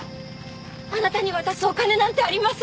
あなたに渡すお金なんてありません！